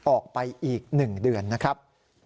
ออกไปอีก๑เดือนนะครับ